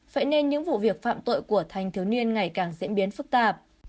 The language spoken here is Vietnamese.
vậy nên những vụ việc phạm tội của thanh thiếu niên ngày càng diễn biến phức tạp